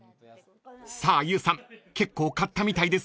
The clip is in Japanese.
［さあＹＯＵさん結構買ったみたいですが］